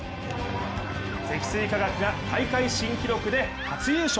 積水化学が大会新記録で初優勝。